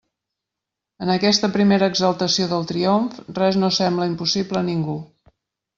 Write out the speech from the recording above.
En aquesta primera exaltació del triomf, res no sembla impossible a ningú.